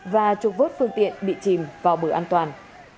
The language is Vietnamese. và chục vốt phương tiện bị chìm vào bờ an toàn